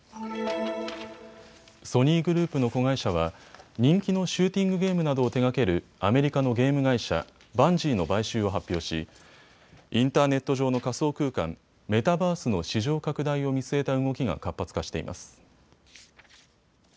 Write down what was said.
ソニーグループの子会社は人気のシューティングゲームなどを手がけるアメリカのゲーム会社、バンジーの買収を発表しインターネット上の仮想空間、メタバースの市場拡大を見据えた動きが活発化しています。